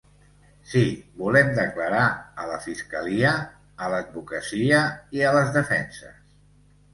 Sí, volem declarar a la fiscalia, a l'advocacia i a les defenses.